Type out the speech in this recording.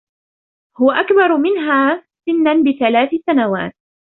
هو أكبر منها سنا بثلاث سنوات.